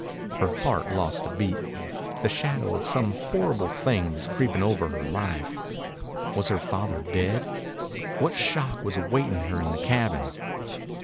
Her heart lost a beat. The shadow of some horrible thing was creeping over her life. Was her father dead? What shock was awaiting her in the cabin?